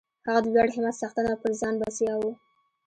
هغه د لوړ همت څښتن او پر ځان بسیا و